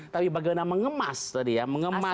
tapi bagaimana mengemas tadi ya mengemas